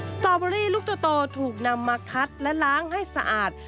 สตอเบอรี่ลูกโตถูกนำมาคัดและล้างให้สะอาด